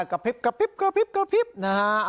กระพริบนะฮะ